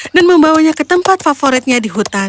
membawanya ke tempat favoritnya di hutan